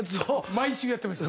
毎週やってました。